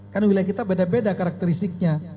kan wilayah kita beda beda karakteristiknya